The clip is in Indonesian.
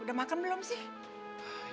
udah makan belum sih